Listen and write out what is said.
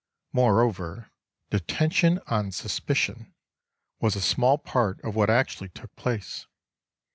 Moreover, "detention on suspicion" was a small part of what actually took place.